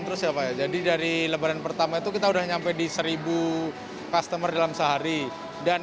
terus ya pak ya jadi dari lebaran pertama itu kita udah nyampe di seribu customer dalam sehari dan